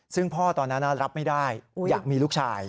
ซึ่งพ่อตอนนั้นรับไม่ได้อยากมีลูกชาย